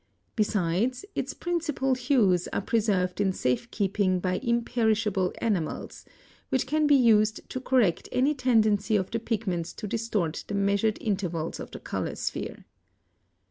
Besides, its principal hues are preserved in safe keeping by imperishable enamels, which can be used to correct any tendency of the pigments to distort the measured intervals of the color sphere.